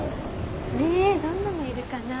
ねえどんなのいるかなあ。